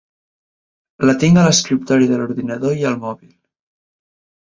La tinc a l’escriptori de l’ordinador i al mòbil.